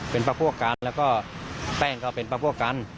เป็นปลาพวกกันแล้วก็แป้งก็เป็นปลาพวกกัน